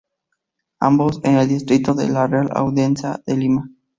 Ambos en el distrito de la Real Audiencia de Lima.